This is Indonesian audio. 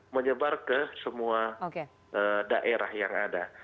menyebar ke semua daerah yang ada